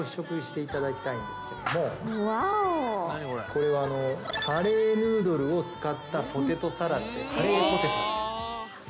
これはカレーヌードルを使ったポテトサラダでカレーポテサラです。